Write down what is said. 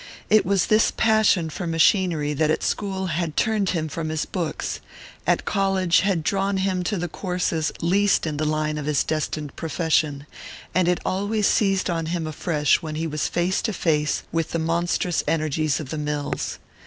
It was this passion for machinery that at school had turned him from his books, at college had drawn him to the courses least in the line of his destined profession; and it always seized on him afresh when he was face to face with the monstrous energies of the mills.